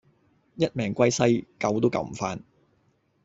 一命歸西，救都救唔返